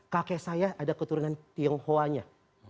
kakek saya ada keturunan tionghoanya